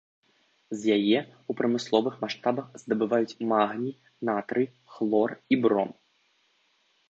З яе ў прамысловых маштабах здабываюць магній, натрый, хлор і бром.